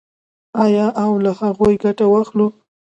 آیا او له هغو ګټه واخلو؟